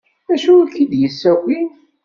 D acu ay k-id-yessakin?